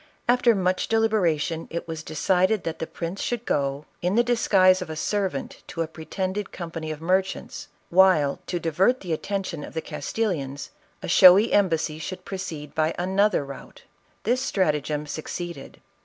After much deliberation it was decided that the prince should go, in the disguise of a servant to a pretended company of merchants, while, to divert the attention of the Castillians, a showy embassy should proceed by another route. This stratagem succeeded.